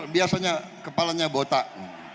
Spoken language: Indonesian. biasanya kepalanya botak